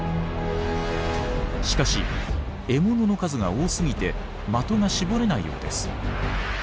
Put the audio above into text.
しかし獲物の数が多すぎて的が絞れないようです。